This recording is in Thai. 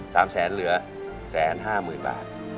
สามแสนเหลือแสนห้าหมื่นบาท